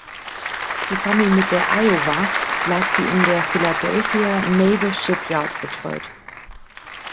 Zusammen mit der "Iowa" lag sie in der Philadelphia Naval Shipyard vertäut.